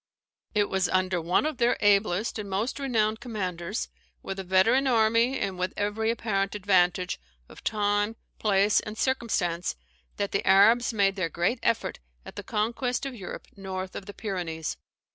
It was under one of their ablest and most renowned commanders, with a veteran army, and with every apparent advantage of time, place, and circumstance, that the Arabs made their great effort at the conquest of Europe north of the Pyrenees.